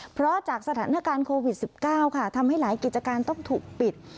เพราะจากสถานการณ์โควิด๑๙ค่ะทำให้หลายกิจการต้องถูกปิด